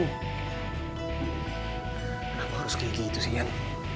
kenapa harus kayak gitu sih kan